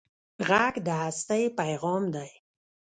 غږ د هستۍ پېغام دی